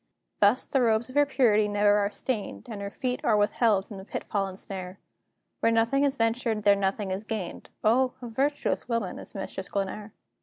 Thus the robes of her purity never are stained, And her feet are withheld from the pitfall and snare; Where nothing is ventured, there nothing is gained: O, a virtuous woman is Mistress Glenare!